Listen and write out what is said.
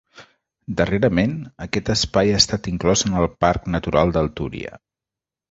Darrerament, aquest espai ha estat inclòs en el Parc Natural del Túria.